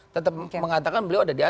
tetap mengatakan beliau ada di